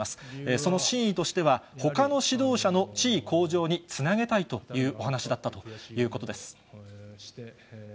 その真意としては、ほかの指導者の地位向上につなげたいというお話だったということです。